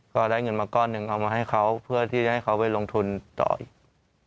ก็ได้เงินมาก้อนหนึ่งเอามาให้เขาเพื่อที่จะให้เขาไปลงทุนต่ออีก